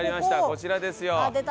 こちらですよ。